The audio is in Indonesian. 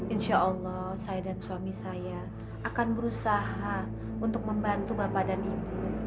insya allah saya dan suami saya akan berusaha untuk membantu bapak dan ibu